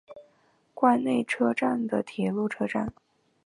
关内车站的铁路车站。